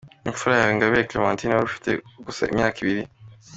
Infura yawe Ingabire Clementine wari ufite gusa imyaka ibiri